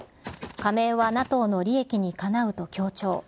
加盟はＮＡＴＯの利益にかなうと強調。